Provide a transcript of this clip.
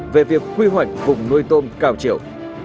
về việc quy hoạch vùng nuôi tôm cao triều